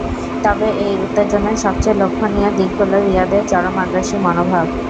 তবে এই উত্তেজনার সবচেয়ে লক্ষণীয় দিক হলো রিয়াদের চরম আগ্রাসী মনোভাব।